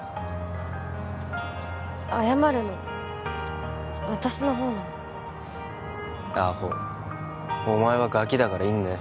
謝るの私のほうなのアホお前はガキだからいいんだよ